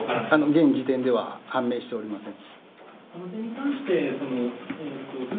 現時点では判明しておりません。